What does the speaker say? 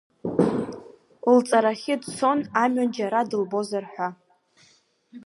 Лҵарахь дцон, амҩан џьара дылбозар ҳәа…